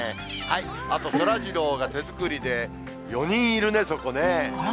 あとそらジローが手作りで、４人いるね、そこね。